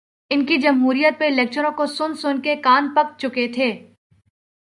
ان کے جمہوریت پہ لیکچروں کو سن سن کے کان پک چکے تھے۔